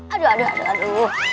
aduh aduh aduh